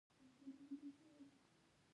موږ رنګونه څنګه پیژنو؟